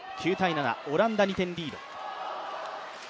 ９−７、オランダ２点リード。